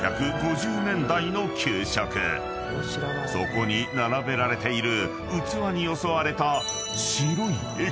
［そこに並べられている器によそわれた］